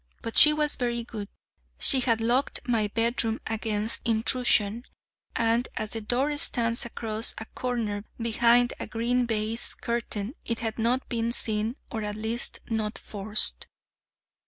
But she was very good: she had locked my bedroom against intrusion; and as the door stands across a corner behind a green baize curtain, it had not been seen, or, at least, not forced.